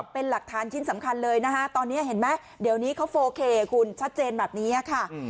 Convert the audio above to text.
เป็นหลักฐานชิ้นสำคัญเลยนะคะตอนนี้เห็นไหมเดี๋ยวนี้เขาโฟเคคุณชัดเจนแบบนี้ค่ะ